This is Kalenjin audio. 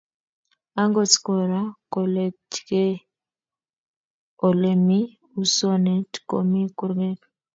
Agot Kora kolechkei Ole mi usonet komi kurget